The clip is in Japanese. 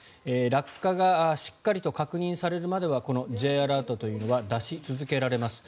落下がしっかりと確認されるまではこのＪアラートというのは出し続けられます。